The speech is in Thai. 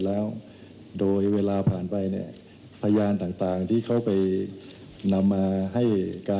แล้วโดยเวลาผ่านไปเนี่ยพยานต่างที่เขาไปนำมาให้การ